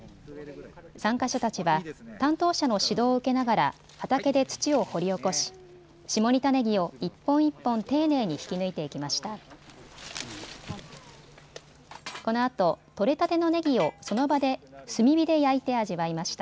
参加者たちは担当者の指導を受けながら畑で土を掘り起こし下仁田ねぎを一本一本丁寧に引き抜いていきました。